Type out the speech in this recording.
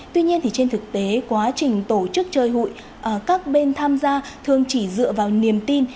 tuy nhiên trên thực tế quá trình tổ chức chơi hụi các bên tham gia thường chỉ dựa vào niềm tin